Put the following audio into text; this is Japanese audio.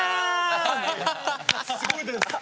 すごいです。